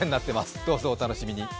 どうぞお楽しみに。